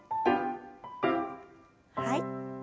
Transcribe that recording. はい。